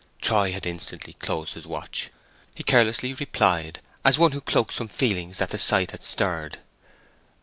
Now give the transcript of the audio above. Troy had instantly closed his watch. He carelessly replied, as one who cloaked some feelings that the sight had stirred.